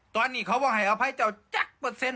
ตอนนี้เขาบอกให้อภัยเจ้าจักรเปอร์เซ็นต